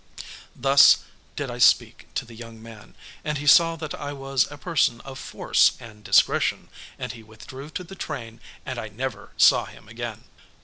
Thus did I speak to the young man, and he saw that I was a person of force and discretion, and he withdrew to the train and I never saw him again.